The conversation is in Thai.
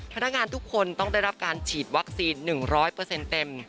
พนักงานทุกคนต้องได้รับการฉีดวัคซีน๑๐๐เต็ม